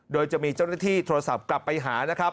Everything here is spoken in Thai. โดยจะมีเจ้าหน้าที่โทรศัพท์กลับไปหานะครับ